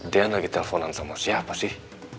deyan lagi telponan sama siapa sih